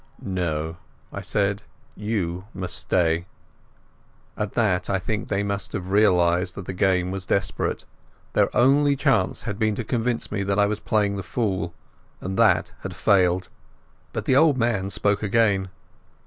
"No," I said, "you must stay." At that I think they must have realized that the game was desperate. Their only chance had been to convince me that I was playing the fool, and that had failed. But the old man spoke again.